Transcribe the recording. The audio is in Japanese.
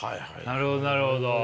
なるほどなるほど。